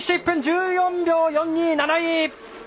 １分１４秒４２、７位！